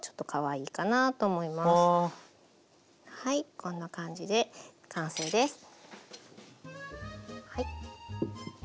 こんな感じで完成です。